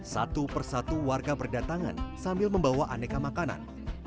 satu persatu warga berdatangan sambil membawa aneka makanan